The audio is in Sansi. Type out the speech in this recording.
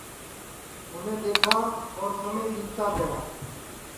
اُنے دؔیکھا اور سمے ٻیتا گیا